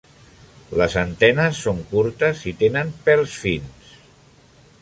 Les antenes són curtes i tenen pèls fins.